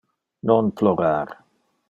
Non plorar.